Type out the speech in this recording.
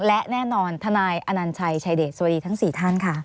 และแน่นอนทนายอนัญชัยชายเดชสวัสดีทั้ง๔ท่านค่ะ